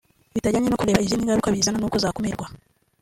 bitajyanye no kureba izindi ngaruka bizana n’uko zakumirwa”